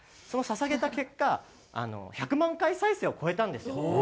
その捧げた結果１００万回再生を超えたんですよ。